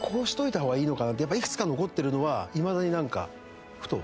やっぱいくつか残ってるのはいまだになんかふと。